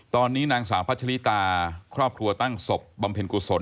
ตอนนี้นางสาวพัชลิตาครอบครัวตั้งศพบำเพ็ญกุศล